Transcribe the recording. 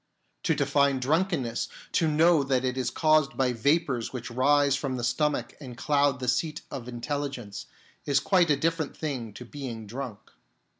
To define drunkenness, 42 THEORY AND PRACTICE to know that it is caused by vapours which rise from the stomach and cloud the seat of intelligence, is quite a different thing to being drunk.